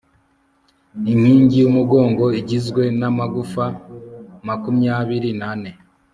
inkingi yumugongo igizwe namagufa makumyabiri nane